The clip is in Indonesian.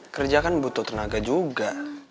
kerja kan butuh tenaga juga